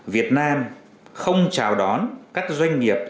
việt nam không chào đón các doanh nghiệp